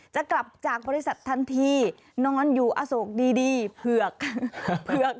จะกลับจากบริษัททันทีนอนอยู่อโศกดีดีเผือกเผือก